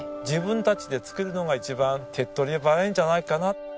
自分たちで作るのが一番手っ取り早いんじゃないかな。